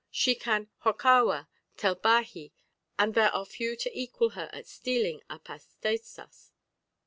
She can hokkawar, tell baji, and there are few to equal her at stealing à pastesas.